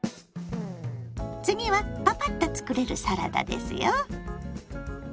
次はパパッと作れるサラダですよ。